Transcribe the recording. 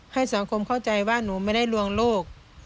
ให้สังคมเข้าใจว่าหนูไม่ได้ลวงโลก